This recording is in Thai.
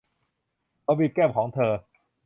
เขาบีบแก้มของเธอ